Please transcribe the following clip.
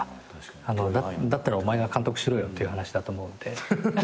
だったらお前が監督しろよっていう話だと思うんで。